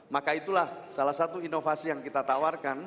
maka itulah salah satu inovasi yang kita tawarkan